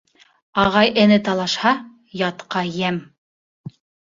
Ағай-эне талашһа, ятҡа йәм.